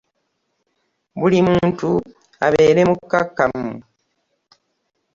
Buli omuntu abeere mukkakamu.